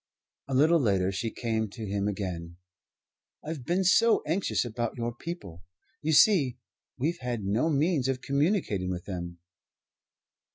A little later she came to him again. "I've been so anxious about your people you see, we've had no means of communicating with them."